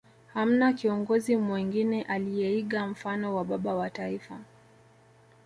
Hamna kiongozi mwengine aliyeiga mfano wa Baba wa Taifa